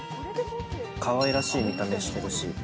かわいらしい見た目してるし。